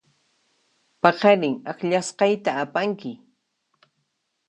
Paqarin akllasqayta apanki.